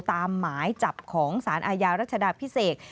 หมายจับของสารอาญารัชดาพิเศษ